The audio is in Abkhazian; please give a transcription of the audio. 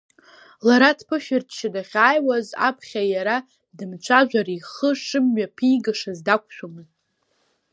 Лара дԥышәырччо дахьааиуаз, аԥхьа иара дымцәажәар ихы шымҩаԥигашаз дақәшәомызт.